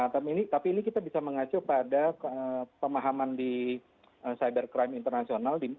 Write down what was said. tapi ini kita bisa mengacu pada pemahaman di cybercrime international